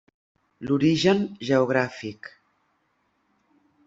L'origen geogràfic: